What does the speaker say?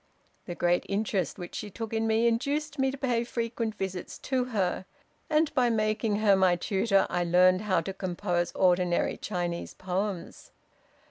The great interest which she took in me induced me to pay frequent visits to her; and, by making her my tutor, I learned how to compose ordinary Chinese poems.